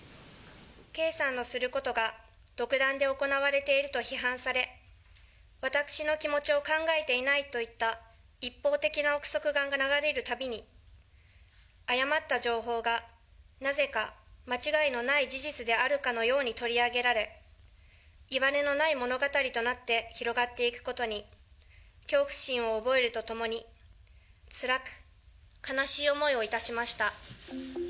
圭さんのすることが独断で行われていると批判され、私の気持ちを考えていないといった一方的な臆測が流れるたびに、誤った情報がなぜか間違いのない事実であるかのように取り上げられ、いわれのない物語となって広がっていくことに恐怖心を覚えるとともに、つらく悲しい思いをいたしました。